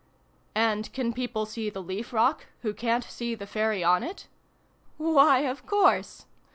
" And can people see the leaf rock, who ca'n't see the Fairy on it ?"" Why, of course